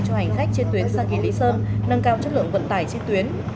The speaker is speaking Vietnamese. cho hành khách trên tuyến xa kỳ lý sơn nâng cao chất lượng vận tải trên tuyến